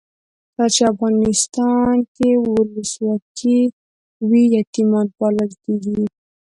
کله چې افغانستان کې ولسواکي وي یتیمان پالل کیږي.